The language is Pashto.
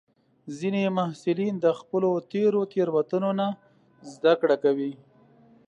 ځینې محصلین د خپلو تېرو تېروتنو نه زده کړه کوي.